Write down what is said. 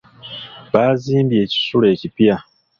Baazibye ekisulo ekipya.